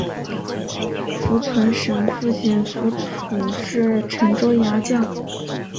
符存审父亲符楚是陈州牙将。